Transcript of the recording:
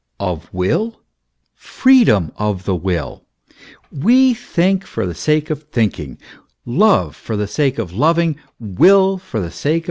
Of will ? Freedom of the will. We think for the sake of thinking; love for the sake of loving; will for the sake of willing i.